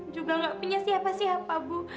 juga nggak punya siapa siapa bu